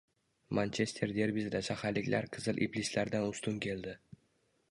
Manchester derbisida “shaharliklar” “qizil iblislar”dan ustun keldi